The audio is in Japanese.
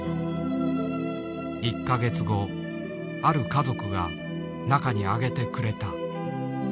１か月後ある家族が中に上げてくれた。